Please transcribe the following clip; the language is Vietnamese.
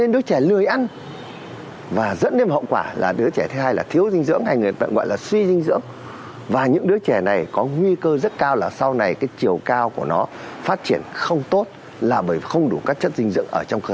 dẫn đến hệ quả là trẻ còi xương suy dinh dưỡng hạn chế phát triển cả về thế chất và tư duy